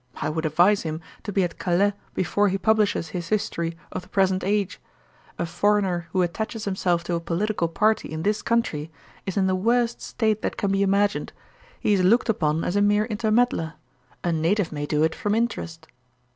I would advise him to be at Calais before he publishes his history of the present age. A foreigner who attaches himself to a political party in this country, is in the worst state that can be imagined: he is looked upon as a mere intermeddler. A native may do it from interest.'